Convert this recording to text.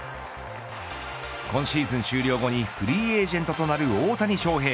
今シーズン終了後にフリーエージェントとなる大谷翔平。